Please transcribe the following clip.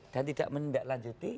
dan tidak mendaklanjuti